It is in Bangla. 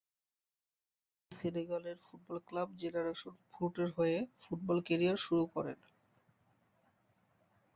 তিনি সেনেগালের ফুটবল ক্লাব জেনারেশন ফুটের হয়ে ফুটবল ক্যারিয়ার শুরু করেন।